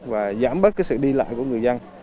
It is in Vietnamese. và giảm bớt cái sự đi lại của người dân